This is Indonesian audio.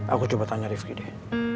aku coba tanya rifki deh